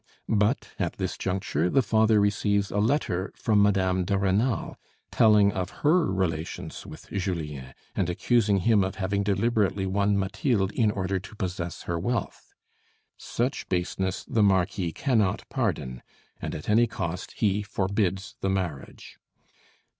But at this juncture the father receives a letter from Mme. de Rênal, telling of her relations with Julien, and accusing him of having deliberately won Mathilde in order to possess her wealth. Such baseness the Marquis cannot pardon, and at any cost he forbids the marriage.